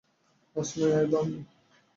আজ নয়, আইভান!